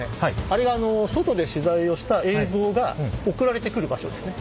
あれが外で取材をした映像が送られてくる場所ですね。